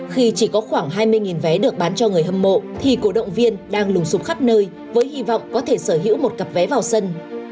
khi chỉ có khoảng hai mươi vé được bán cho người hâm mộ thì cổ động viên đang lùng sụp khắp nơi với hy vọng có thể sở hữu một cặp vé vào sân